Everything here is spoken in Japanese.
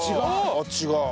あっ違う。